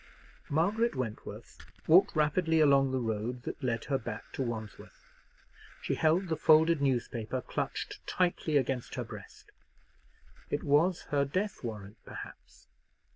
Margaret Wentworth walked rapidly along the road that led her back to Wandsworth. She held the folded newspaper clutched tightly against her breast. It was her death warrant, perhaps.